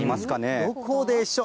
どこでしょう。